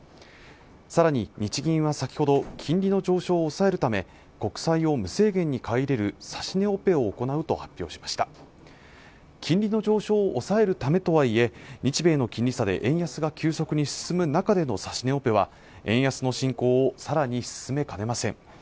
さらに日銀は先ほど金利の上昇を抑えるため国債を無制限に買い入れる指値オペを行うと発表しました金利の上昇を抑えるためとはいえ日米の金利差で円安が急速に進む中での指値オペは円安の進行をさらに進めかねません